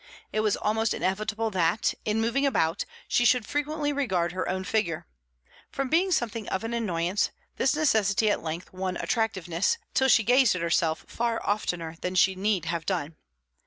It was almost inevitable that, in moving about, she should frequently regard her own figure. From being something of an annoyance, this necessity at length won attractiveness, till she gazed at herself far oftener than she need have done.